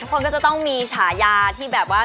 คนก็จะต้องมีฉายาที่แบบว่า